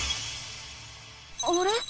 あれ？